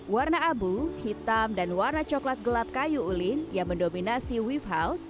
warna abu hitam dan warna coklat gelap kayu ulin yang mendominasi wave house